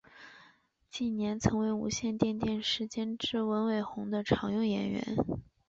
近年曾为无线电视监制文伟鸿的常用演员。